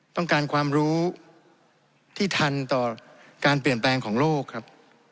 ต้องการความรู้ที่ทันต่อการเปลี่ยนแปลงของโลกครับ